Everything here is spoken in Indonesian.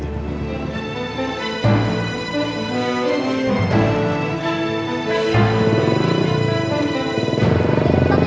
udah diketahui bang